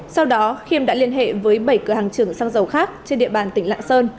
sau đó khiêm đã liên hệ với bảy cửa hàng trưởng xăng dầu khác trên địa bàn tỉnh lạng sơn